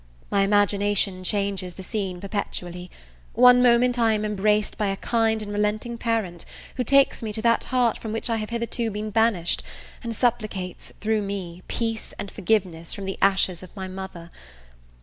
My imagination changes the scene perpetually: one moment, I am embraced by a kind and relenting parent, who takes me to that heart from which I have hitherto been banished, and supplicates, through me, peace and forgiveness from the ashes of my mother!